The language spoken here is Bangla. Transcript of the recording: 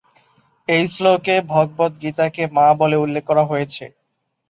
এই শ্লোকে "ভগবদ্গীতা"-কে মা বলে উল্লেখ করা হয়েছে।